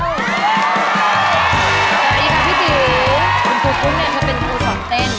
สวัสดีค่ะพี่ติ๋วคุณครูกุ้งเนี่ยเธอเป็นครูสอนเต้น